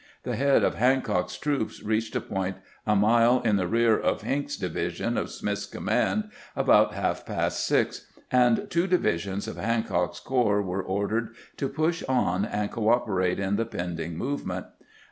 The head of Hancock's troops reached a point a mile in the rear of Hinks's division of Smith's command about half past six, and two divisions of Han cock's corps were ordered to push on and cooperate in the pending movement.